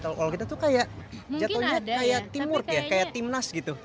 kalau kita tuh kayak jatohnya kayak timur kayak timnas gitu